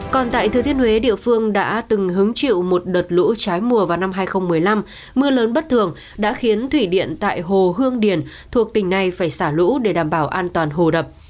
còn tại thừa thiên huế địa phương đã từng hứng chịu một đợt lũ trái mùa vào năm hai nghìn một mươi năm mưa lớn bất thường đã khiến thủy điện tại hồ hương điền thuộc tỉnh này phải xả lũ để đảm bảo an toàn hồ đập